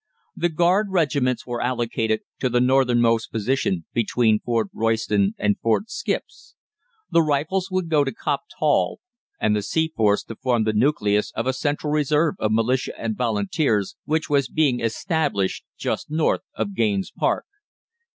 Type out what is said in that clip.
The Guard regiments were allocated to the northernmost position between Fort Royston and Fort Skips. The rifles were to go to Copped Hall, and the Seaforths to form the nucleus of a central reserve of Militia and Volunteers, which was being established just north of Gaynes Park.